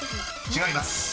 ［違います］